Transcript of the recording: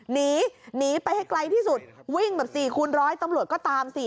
หนีหนีไปให้ไกลที่สุดวิ่งแบบ๔คูณร้อยตำรวจก็ตามสิ